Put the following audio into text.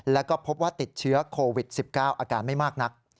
แล้วก็พบว่าติดเชื้อโควิด๑๙อาการไม่มากนัก